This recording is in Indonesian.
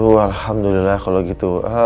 aduh alhamdulillah kalau gitu